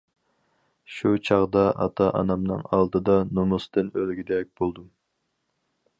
شۇ چاغدا ئاتا- ئانامنىڭ ئالدىدا نومۇستىن ئۆلگۈدەك بولدۇم.